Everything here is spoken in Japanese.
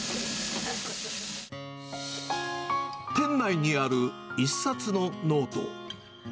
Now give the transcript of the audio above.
店内にある一冊のノート。